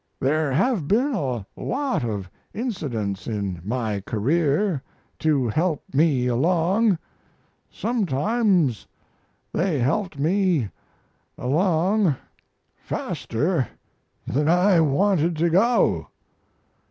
There have been a lot of incidents in my career to help me along sometimes they helped me along faster than I wanted to go.